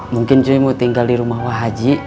mungkin cuy mau tinggal di rumah wahaji